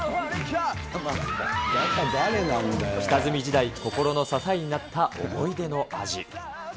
下積み時代、心の支えになった思い出の味。